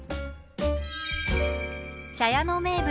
茶屋の名物